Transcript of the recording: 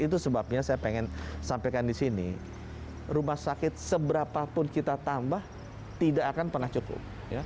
itu sebabnya saya ingin sampaikan di sini rumah sakit seberapapun kita tambah tidak akan pernah cukup